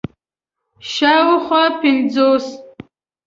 شاوخوا پنځوس